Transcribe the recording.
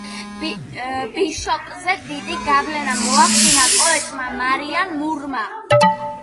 ბიშოპზე დიდი გავლენა მოახდინა პოეტმა მარიან მურმა.